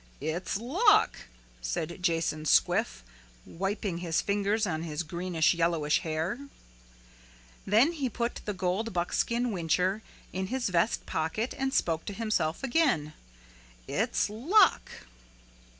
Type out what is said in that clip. "It's luck," said Jason Squiff, wiping his fingers on his greenish yellowish hair. Then he put the gold buckskin whincher in his vest pocket and spoke to himself again, "It's luck."